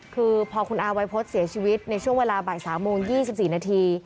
คือพอคุณอาวัยพฤษเสียชีวิตในช่วงเวลาบ่าย๓โมง๒๔นาที